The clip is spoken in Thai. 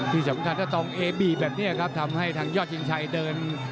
ที่สำคัญก็ต้องเอบีแบบนี้ครับทำให้ทางยอดชิงชัยเดิน